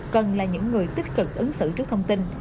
cần là những người tích cực ứng xử trước thông tin